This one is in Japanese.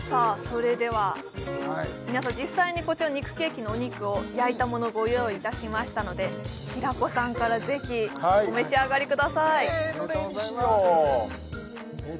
それでは皆さん実際にこちら肉ケーキのお肉を焼いたものご用意いたしましたので平子さんからぜひお召し上がりくださいええ